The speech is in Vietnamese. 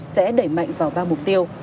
sẽ đẩy mạnh vào ba mục tiêu